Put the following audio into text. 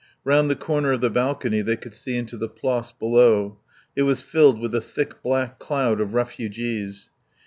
Round the corner of the balcony they could see into the Place below; it was filled with a thick black crowd of refugees.